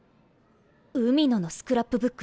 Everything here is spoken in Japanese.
海野のスクラップブック